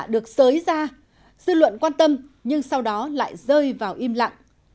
được xới ra dư luận quan tâm nhưng sau đó lại rơi vào im lặng